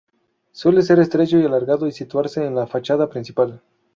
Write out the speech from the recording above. Suele ser estrecho y alargado y situarse en la fachada principal.